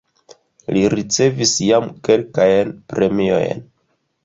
Li ricevis jam kelkajn premiojn.